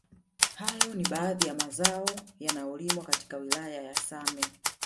Hayo ni baadhi ya mazao yanayolimwa katika wilaya ya same